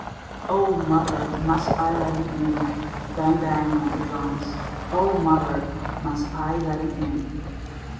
Oh, mother, must I let him in? Bang! Bang! [went the drums], Oh, mother, must I let him in?